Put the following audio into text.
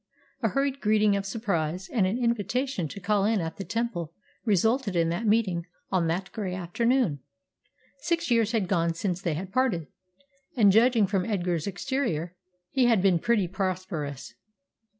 A hurried greeting of surprise, and an invitation to call in at the Temple resulted in that meeting on that grey afternoon. Six years had gone since they had parted; and, judging from Edgar's exterior, he had been pretty prosperous.